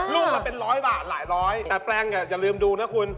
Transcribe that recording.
ลูกละเป็นร้อยบาทหลายร้อยแต่แปลงอย่าลืมดูนะคุณ